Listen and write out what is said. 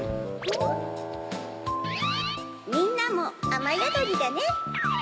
みんなもあまやどりだネ。